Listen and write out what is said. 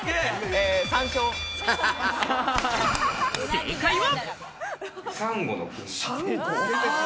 正解は。